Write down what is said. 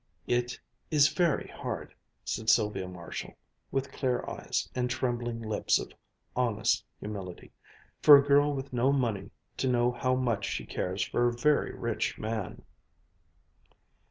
"It is very hard," said Sylvia Marshall, with clear eyes and trembling lips of honest humility, "for a girl with no money to know how much she cares for a very rich man."